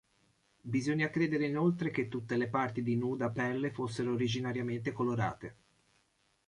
Bisogna credere inoltre che tutte le parti di nuda pelle fossero originariamente colorate.